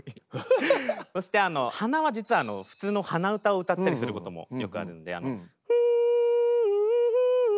そして鼻は実は普通の鼻歌を歌ったりすることもよくあるんで。